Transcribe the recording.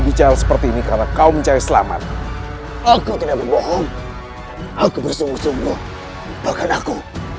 bicara seperti ini karena kau mencari selamat aku tidak berbohong aku bersungguh sungguh bahkan aku